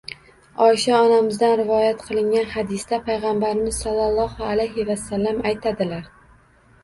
Oisha onamizdan rivoyat qilingan hadisda Payg‘ambarimiz sollallohu alayhi vasallam aytadilar: